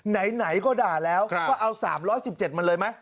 ไหนก็ด่าแล้วก็เอา๓๑๗มาเลยไหม